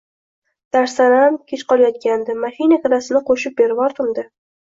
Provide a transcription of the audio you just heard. -Darsdanam kechqolyotgandi, mashina kirasini qo’shib bervordim-da.